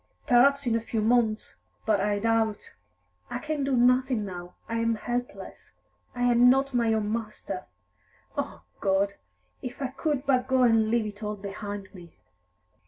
"Perhaps in a few months but I doubt. I can do nothing now; I am helpless; I am not my own master. O God, if I could but go and leave it all behind me!"